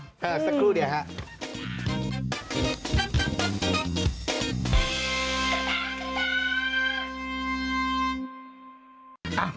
สักครู่เดียวครับ